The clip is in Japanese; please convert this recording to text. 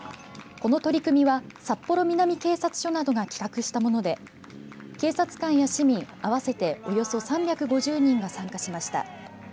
この取り組みは札幌南警察署などが企画したもので警察官や市民、合わせておよそ３５０人が参加しました。